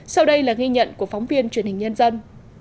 sau đây là ghi nhận của phóng viên truyền hình nhân dân